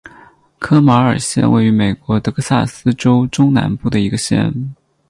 科马尔县位美国德克萨斯州中南部的一个县。